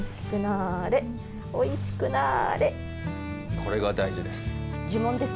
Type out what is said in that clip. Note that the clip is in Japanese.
これが大事です。